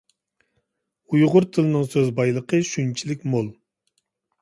ئۇيغۇر تىلىنىڭ سۆز بايلىقى شۇنچىلىك مول!